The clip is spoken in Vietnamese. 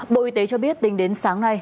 bộ y tế cho biết tính đến sáng nay